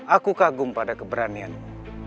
aku kagum pada keberanianmu